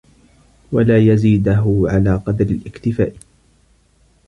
وَلَا يَزِيدَهُ عَلَى قَدْرِ الِاكْتِفَاءِ